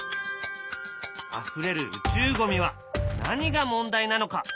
あふれる宇宙ゴミは何が問題なのか？